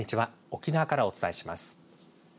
沖縄からお伝えします。